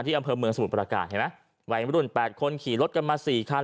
อำเภอเมืองสมุทรประการเห็นไหมวัยมรุ่นแปดคนขี่รถกันมาสี่คัน